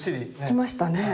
きましたね。